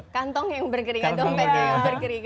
kantong yang berkeringat dong